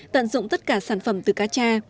tận dụng tất cả sản phẩm từ cacha